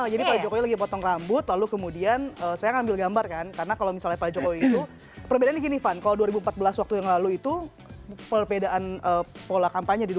jadi pak jokowi lagi potong rambut lalu kemudian saya ambil gambar kan karena kalau misalnya pak jokowi itu perbedaan ini gini faham kalau dua ribu empat belas waktu yang lalu itu perbedaan pola kampanye di dua ribu dua puluh